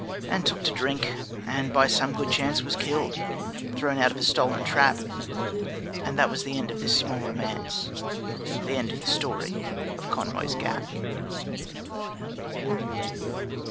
And took to drink, and by some good chance Was killed thrown out of a stolen trap. And that was the end of this small romance, The end of the story of Conroy's Gap.